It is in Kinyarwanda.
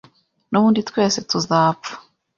nubundi twese tuzapfa